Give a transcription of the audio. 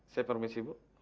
saya permisi ibu